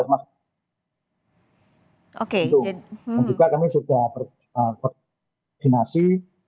dan juga kami sudah berkoordinasi